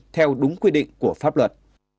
theo đúng quy định của pháp luật